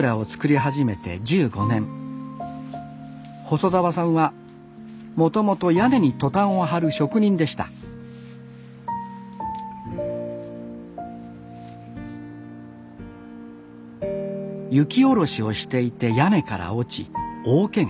細澤さんはもともと屋根にトタンを張る職人でした雪下ろしをしていて屋根から落ち大けが。